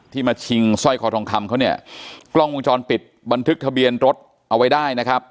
มาชิงสร้อยคอทองคำเขาเนี่ยกล้องวงจรปิดบันทึกทะเบียนรถเอาไว้ได้นะครับ